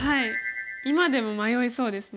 今でも迷いそうですね。